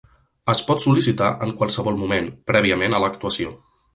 Es pot sol·licitar en qualsevol moment, prèviament a l'actuació.